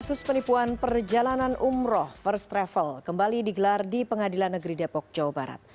kasus penipuan perjalanan umroh first travel kembali digelar di pengadilan negeri depok jawa barat